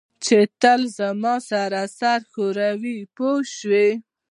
چې تل زما سره سر ښوروي پوه شوې!.